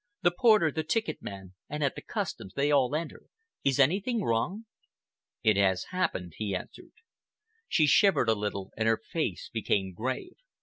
The porter, the ticket man, and at the customs—they all enter. Is anything wrong?" "It has happened," he answered. She shivered a little and her face became grave.